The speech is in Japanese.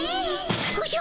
おじゃ！